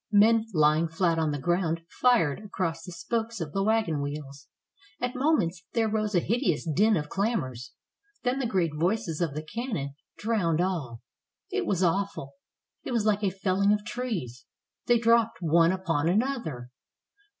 Men lying flat on the ground fired across the spokes of the wagon wheels. At moments there rose a hideous din of clamors, then the great voices of the cannon drowned all. It was awful. It was Hke a felUng of trees; they dropped one upon another.